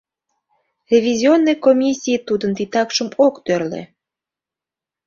Ревизионный комиссий тудын титакшым ок тӧрлӧ.